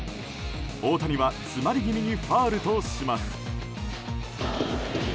大谷は詰まり気味にファウルとします。